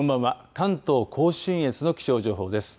関東甲信越の気象情報です。